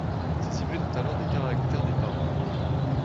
Ces hybrides ont alors des caractères des parents.